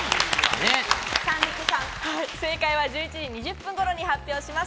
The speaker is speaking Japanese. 正解は１１時２０分頃に発表します。